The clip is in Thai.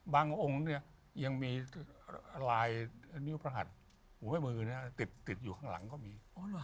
องค์เนี่ยยังมีลายนิ้วพระหัสหัวมือติดอยู่ข้างหลังก็มี